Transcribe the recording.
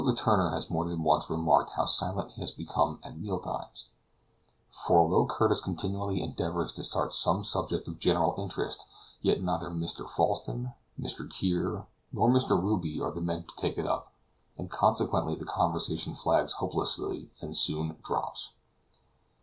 Letourneur has more than once remarked how silent he has become at meal times; for although Curtis continually endeavors to start some subject of general interest, yet neither Mr. Falsten, Mr. Kear, nor Mr. Ruby are the men to take it up, and consequently the conversation flags hopelessly, and soon drops.